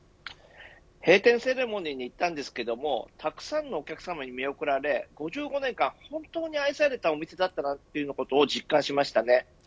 閉店セレモニーに行ったんですけどたくさんのお客さんに見送られ５５年間本当に愛されたお店だったなということを実感しました。